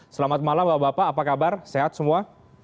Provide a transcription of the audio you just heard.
selamat malam bapak bapak apa kabar sehat semua